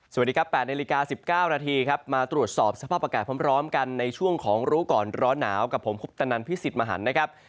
สวัสดีครับ๘นาฬิกา๑๙นาทีครับมาตรวจสอบสภาพอากาศพร้อมกันในช่วงของรู้ก่อนร้อนหนาวกับผมคุปตนันพิสิทธิ์มหันนะครับ